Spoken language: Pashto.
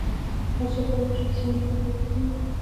هر څوک کولی شي په سهامي شرکت کې ګډون وکړي